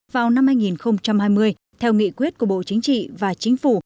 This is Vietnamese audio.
vào năm hai nghìn hai mươi theo nghị quyết của bộ chính trị và chính phủ